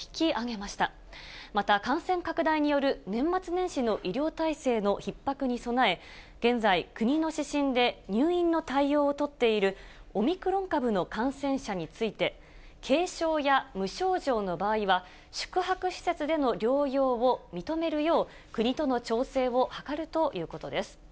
また、感染拡大による年末年始の医療体制のひっ迫に備え、現在、国の指針で入院の対応を取っている、オミクロン株の感染者について、軽症や無症状の場合は、宿泊施設での療養を認めるよう、国との調整を図るということです。